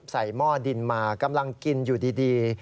หม้อดินมากำลังกินอยู่ดี